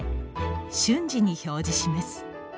瞬時に表示します。